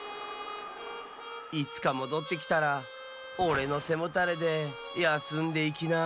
いつかもどってきたらおれのせもたれでやすんでいきな。